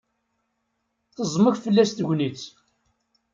Teẓmek fell-as tagnitt.